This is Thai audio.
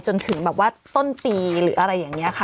จนถึงแบบว่าต้นปีหรืออะไรอย่างนี้ค่ะ